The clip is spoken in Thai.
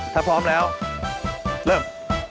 ถ้าพร้อมแล้วเริ่ม